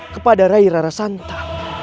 kepada rai rara santa